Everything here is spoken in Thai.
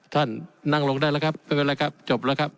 ท่านนั่งลงได้แล้วครับไม่เป็นไรครับจบแล้วครับ